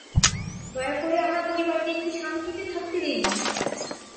দয়া করে আমার পরিবারকে একটু শান্তিতে থাকতে দিন।